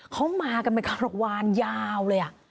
เขามากันไปขนาดวานยาวเลยอ่ะ